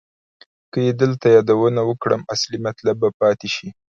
که یې دلته یادونه وکړم اصلي مطلب به پاتې شي.